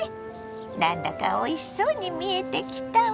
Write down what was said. なんだかおいしそうに見えてきたわ。